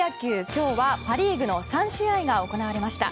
今日はパ・リーグの３試合が行われました。